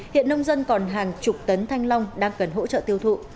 hiện nông dân còn hàng chục tấn thanh long đang cần hỗ trợ tiêu thụ